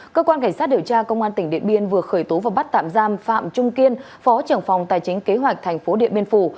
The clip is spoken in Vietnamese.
cơ quan cảnh sát điều tra công an tỉnh điện biên vừa khởi tố và bắt tạm giam phạm trung kiên phó trưởng phòng tài chính kế hoạch tp điện biên phủ